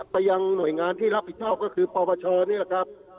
ไปยังหน่วยงานที่รับผิดชอบก็คือปปชนี่แหละครับ